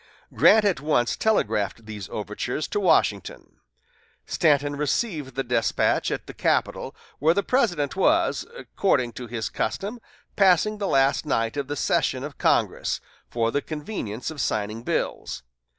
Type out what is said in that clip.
Grant at once telegraphed these overtures to Washington. Stanton received the despatch at the Capitol, where the President was, according to his custom, passing the last night of the session of Congress, for the convenience of signing bills.